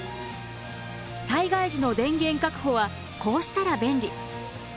災害時の電源確保はこうしたら便利。